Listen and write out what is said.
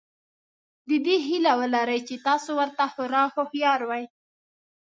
د دې هیله ولرئ چې تاسو ورته خورا هوښیار وئ.